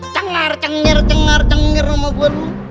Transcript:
cengar cengir cengar cengir nomo bono